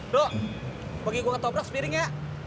duh bagi gua ke toprak sepiring ya